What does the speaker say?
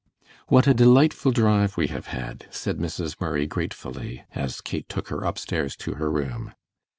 "What a delightful drive we have had," said Mrs. Murray, gratefully, as Kate took her upstairs to her room.